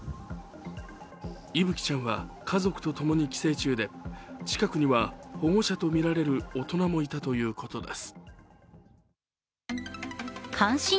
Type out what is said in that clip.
聖稀ちゃんは家族とともに帰省中で近くには保護者とみられる大人もいたということです。